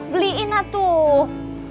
beliin lah tuh